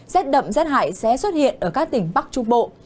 xét đậm xét hại sẽ xuất hiện ở các tỉnh bắc trung bộ